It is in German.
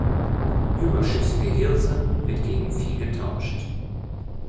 Überschüssige Hirse wird gegen Vieh getauscht.